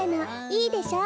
いいでしょ？